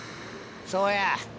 そうや！